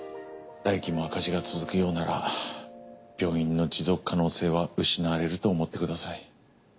来期も赤字が続くようなら病院の持続可能性は失われると思ってください。